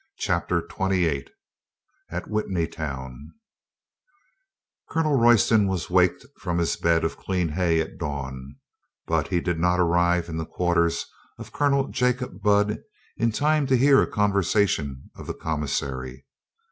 CHAPTER TWENTY EIGHT AT WITNEY TOWN COLONEL ROYSTON was waked from his bed of clean hay at dawn, but he did not .arrive in the quarters of Colonel Jacob Budd in time to hear a conversation of the commissary.